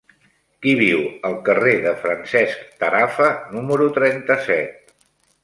Qui viu al carrer de Francesc Tarafa número trenta-set?